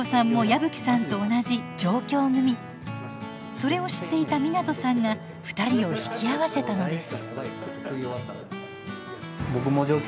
それを知っていた湊さんが２人を引き合わせたのです。